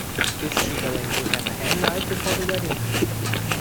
Is she going to have a hen night before the wedding?